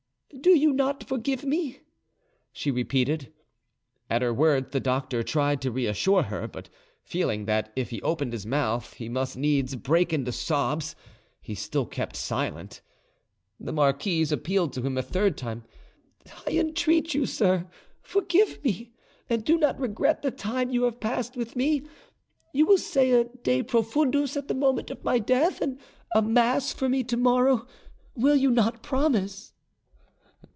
"Do you not forgive me?" she repeated. At her words, the doctor tried to reassure her; but feeling that if he opened his mouth he must needs break into sobs, he still kept silent. The marquise appealed to him a third time. "I entreat you, sir, forgive me; and do not regret the time you have passed with me. You will say a De Profundus at the moment of my death, and a mass far me to morrow: will you not promise?"